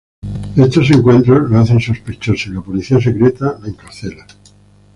Esos encuentros la hacen sospechosa y la policía secreta la encarcela.